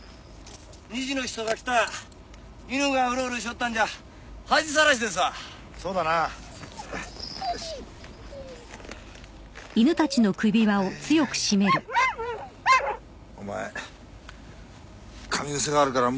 ２次の人が来たら犬がウロウロしとったんじゃ恥さらしですわそうだなはいはいお前かみぐせがあるから